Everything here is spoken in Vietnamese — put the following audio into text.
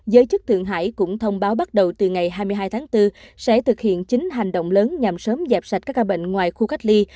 giới chức thượng hải cũng thông báo bắt đầu từ ngày hai mươi hai tháng bốn sẽ thực hiện chính hành động lớn nhằm sớm dẹp sạch các ca bệnh ngoài khu cách ly